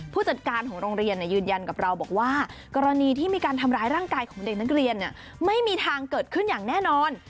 ผู้จัดการของโรงเรียนยืนยันกับเราบอกว่ากรณีที่มีการทำร้ายร่างกายของเด็กนักเรียนไม่มีทางเกิดขึ้นอย่างแน่นอน